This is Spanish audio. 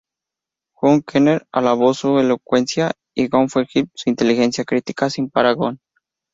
Hugh Kenner alabó su elocuencia, y Geoffrey Hill su "inteligencia crítica sin parangón".